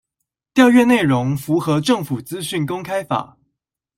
調閱內容符合政府資訊公開法